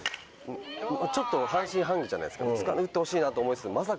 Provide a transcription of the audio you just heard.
ちょっと半信半疑じゃないですか打ってほしいなと思いつつ。